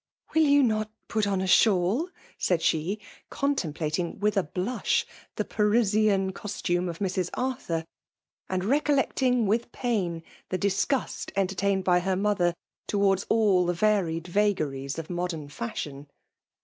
" Will you not put on a shawl ?" said she, contemplating with a blush the Parisian cos tume of Mrs. Arthur, and reooUecting with pain the disgust entertained by her mother towards all the varied vagaries of. modern^ fashion.